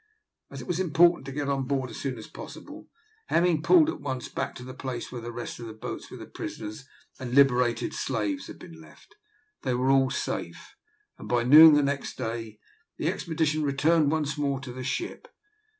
As it was important to get on board as soon as possible, Hemming pulled at once back to the place where the rest of the boats, with the prisoners and liberated slaves, had been left. They were all safe, and by noon the next day the expedition returned once more to the ship.